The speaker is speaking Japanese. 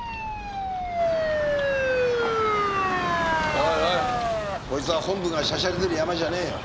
おいおいこいつは本部がしゃしゃり出るヤマじゃねえよ。